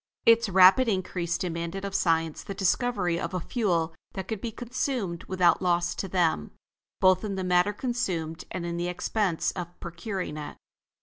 Its rapid increase demanded of Science the discovery of a fuel that could be consumed without loss to them, both in the matter consumed and in the expense of procuring it.